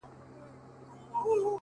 مه وله د سترگو اټوم مه وله!